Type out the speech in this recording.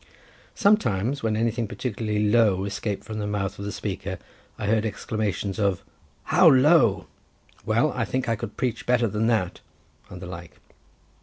Sometimes, when anything particularly low escaped from the mouth of the speaker, I heard exclamations of "How low! well, I think I could preach better than that," and the like.